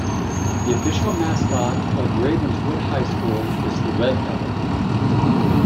The official mascot of Ravenswood High School is the Red Devil.